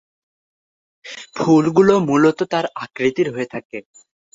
ফুলগুলো মুলত তারা আকৃতির হয়ে থাকে।